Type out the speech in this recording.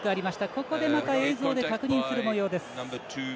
ここでまた映像で確認するもようです。